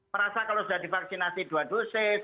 merasa kalau sudah divaksinasi dua dosis